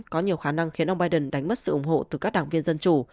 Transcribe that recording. có nhiều khả năng khiến ông biden đánh mất sự ủng hộ từ các đảng viên dân chủ